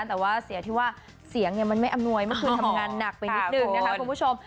แต่ว่าเสียที่ว่าเสียงมันไม่อำนวยเมื่อคืนทำงานหนักไปนิดนึงนะคะคุณผู้ชม